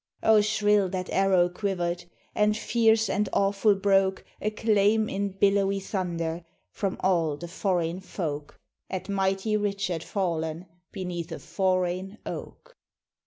O shrill that arrow quivered! And fierce and awful broke Acclaim in billowy thunder From all the foreign folk, At mighty Richard fallen Beneath a foreign oak!